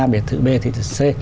biệt thự b biệt thự c